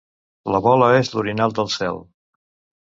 La Vola és l'orinal del cel.